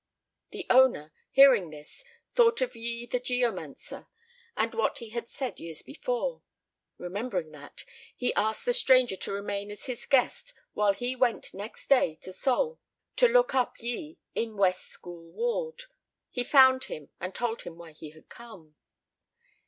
The owner, hearing this, thought of Yi the geomancer, and what he had said years before. Remembering that, he asked the stranger to remain as his guest while he went next day to Seoul to look up Yi in West School Ward. He found him, and told him why he had come.